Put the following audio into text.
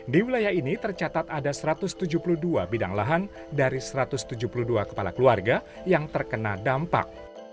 di wilayah ini tercatat ada satu ratus tujuh puluh dua bidang lahan dari satu ratus tujuh puluh dua kepala keluarga yang terkena dampak